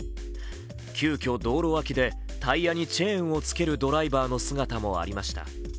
急きょ道路脇でタイヤにチェーンをつける姿もありました。